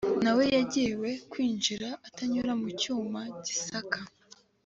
nawe yangiwe kwinjira atanyuze mu cyuma gisaka